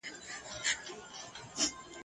ستا پر مځکه بل څه نه وه؟ چي شاعر دي د پښتو کړم !.